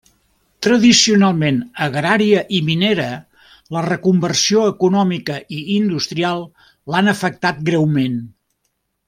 Tradicionalment agrària i minera, la reconversió econòmica i industrial l'han afectat greument.